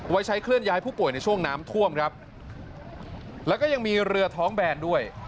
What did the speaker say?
ไว้ใช้เคลื่อนย้ายผู้ป่วยในช่วงน้ำท่วมครับแล้วก็ยังมีเรือท้องแบนด้วย